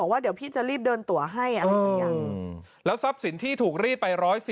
วันเดี๋ยวพี่จะเรียกว่าเราจะมีที่ที่รีบเดินตั๋วให้